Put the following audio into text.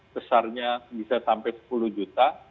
besarnya bisa sampai sepuluh juta